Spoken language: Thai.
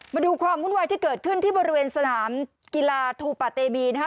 มาดูความวุ่นวายที่เกิดขึ้นที่บริเวณสนามกีฬาทูปะเตมีนะคะ